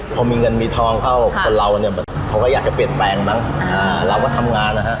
พอมีเงินมีทองเข้าคนเราเนี่ยเขาก็อยากจะเปลี่ยนแปลงมั้งอ่าเราก็ทำงานนะฮะ